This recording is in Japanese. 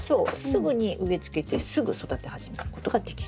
すぐに植え付けてすぐ育て始めることができる。